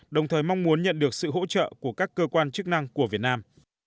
đồng thời mong muốn nhận được sự hỗ trợ của các cơ quan chức năng của việt nam